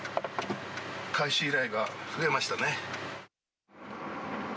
回収依頼が増えましたね。